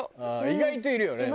意外といるよね。